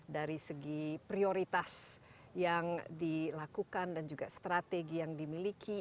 dari segi prioritas yang dilakukan dan juga strategi yang dimiliki